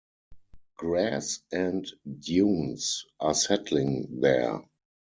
Grass and dunes are settling there.